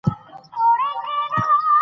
سهار مهال د کور دننه چاپېریال پاک ساتل مهم دي